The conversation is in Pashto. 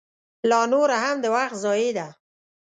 لا نوره هم د وخت ضایع ده.